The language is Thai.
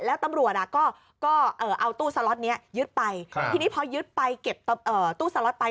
แล้วตำรวจก็เอาตู้สล็อตนี้ยึดไปทีนี้พอยึดไปเก็บตู้สล็อตไป